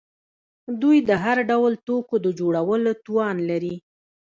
دوی د هر ډول توکو د جوړولو توان لري.